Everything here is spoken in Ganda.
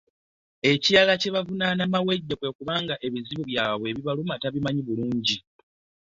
Ekirala, kye bavunaanye Mawejje kwe kuba ng'ebizibu byabwe ebibaluma tabimanyi bulungi